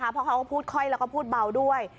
เพราะเขาก็พูดค่อยแล้วก็พูดเบาด้วย